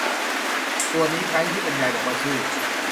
ตัวนี้ไกด์ที่บรรยายบอกว่าชื่อ